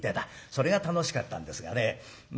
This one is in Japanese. それが楽しかったんですがね。